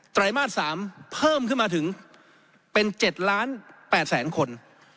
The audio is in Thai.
ไรมาส๓เพิ่มขึ้นมาถึงเป็น๗ล้าน๘แสนคน